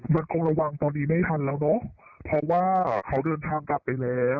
มันคงระวังตอนนี้ไม่ทันแล้วเนอะเพราะว่าเขาเดินทางกลับไปแล้ว